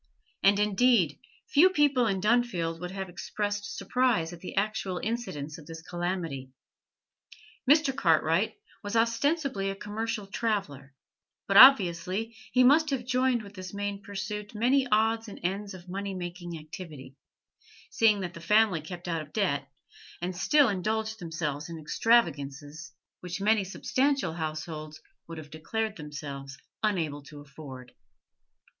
And, indeed, few people in Dunfield would have expressed surprise at the actual incidence of this calamity. Mr. Cartwright was ostensibly a commercial traveller, but obviously he must have joined with this main pursuit many odds and ends of money making activity, seeing that the family kept out of debt, and still indulged themselves in extravagances which many substantial households would have declared themselves unable to afford.